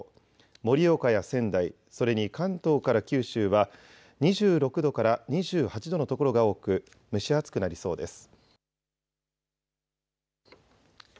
盛岡や仙台、それに関東から九州は２６度から２８度の所が多く蒸し暑くなりそうです。